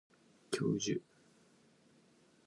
直射日光や高温の場所をさけて保管してください